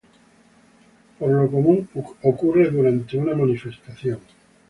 Por lo común, ocurre durante una manifestación.